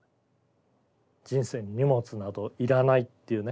人生に荷物など要らないっていうね